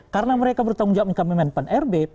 karena mereka bertanggung jawabnya ke menpan rbi